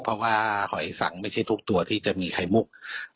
เพราะว่าหอยสังไม่ใช่ทุกตัวที่จะมีไข่มุก